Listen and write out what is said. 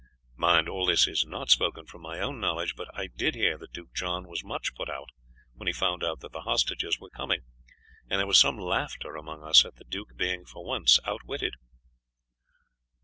Mind, all this is not spoken from my own knowledge, but I did hear that Duke John was much put out when he found that the hostages were coming, and there was some laughter among us at the duke being for once outwitted."